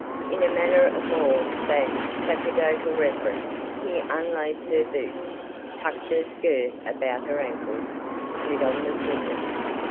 In a manner of more than sacerdotal reverence he unlaced her boots, tucked her skirt about her ankles, slid on the slippers.